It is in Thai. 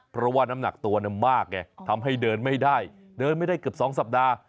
เพราะว่าน้ำหนักตัวมากไงทำให้เดินไม่ได้เดินไม่ได้เกือบ๒สัปดาห์